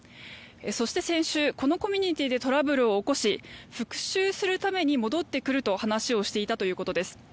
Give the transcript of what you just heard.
そして、先週このコミュニティーでトラブルを起こし復しゅうするために戻ってくると話をしていたということです。